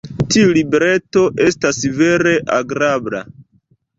Tiu libreto estas vere agrabla.